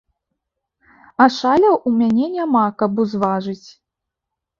А шаляў у мяне няма, каб узважыць.